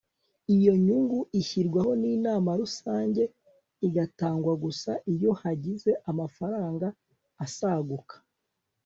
iyo nyungu ishyirwaho n'inama rusange, igatangwa gusa iyo hagize amafaranga asaguka